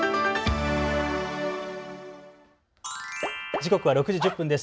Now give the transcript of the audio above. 時刻は６時１０分です。